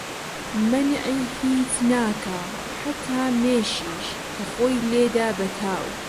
مەنعی هیچ ناکا حەتا مێشیش کە خۆی لێدا بە تاو